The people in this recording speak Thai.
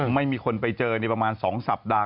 ไม่มีคนไปเจอในประมาณ๒สัปดาห์